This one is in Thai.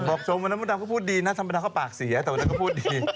บอกชมวันนั้นฝันร่ำก็พูดดีนะสัมปนาคตก็ปากเสีย